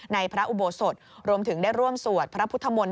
พระอุโบสถรวมถึงได้ร่วมสวดพระพุทธมนตร์